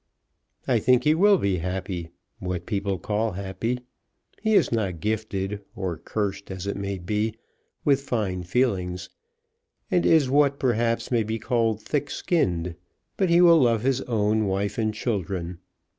"I think he will be happy; what people call happy. He is not gifted, or cursed, as it may be, with fine feelings, and is what perhaps may be called thick skinned; but he will love his own wife and children.